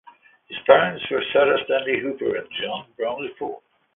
His parents were Sarah Stanley Hooper and John Bromley Foord.